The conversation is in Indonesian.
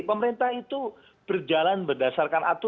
pemerintah itu berjalan berdasarkan aturan